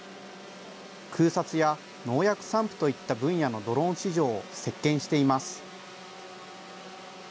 空撮や農薬散布といった分野のドローン市場を席けんしています。